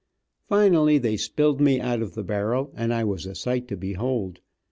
Finally they spilled me out of the barrel, and I was a sight to behold.